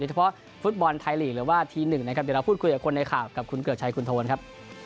เฉพาะฟุตบอลไทยลีกหรือว่าทีหนึ่งนะครับเดี๋ยวเราพูดคุยกับคนในข่าวกับคุณเกือกชัยคุณโทนครับ